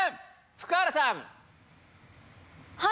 福原さん！